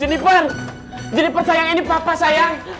jeniper jeniper sayang ini papa sayang